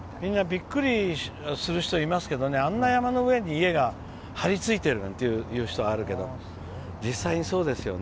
びっくりする人いますけどあんな山の上に家が張り付いてるなんて言う人がいるけど実際にそうですよね。